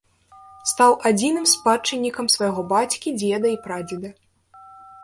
Стаў адзіным спадчыннікам свайго бацькі, дзеда і прадзеда.